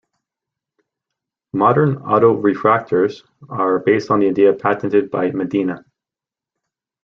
Modern autorefractors are based on the idea patented by Medina.